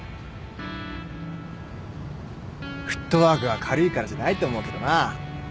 フットワークが軽いからじゃないと思うけどなぁ